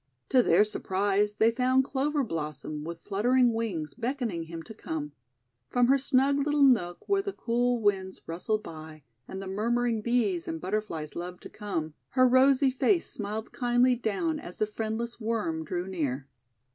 To their surprise they found Clover Blossom, with fluttering wings, beckoning him to come. From her snug little nook, where the cool winds rustled by, and the murmuring Bees and Butterflies loved to come, her rosy face smiled kindly down as the friendless Worm drew near.